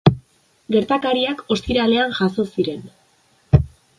Gertakariak ostiralean jazo ziren.